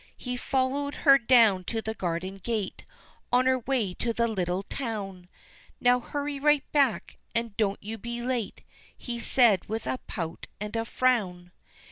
He followed her down to the garden gate On her way to the little town, "Now hurry right back, and don't you be late," He said with a pout and a frown.